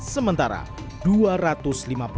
sementara du glaube